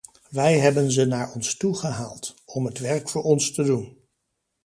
Wij hebben ze naar ons toe gehaald, om het werk voor ons te doen.